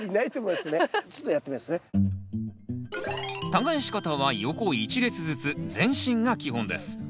耕し方は横一列ずつ前進が基本です。